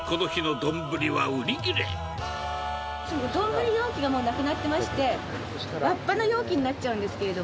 丼容器がもうなくなってまして、わっぱの容器になっちゃうんですけれども。